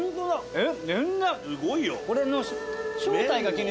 えっ！？